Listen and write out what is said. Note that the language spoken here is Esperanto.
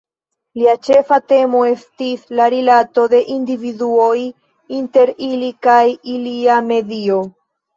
Lia ĉefa temo estis la rilato de individuoj inter ili kaj ilia medio.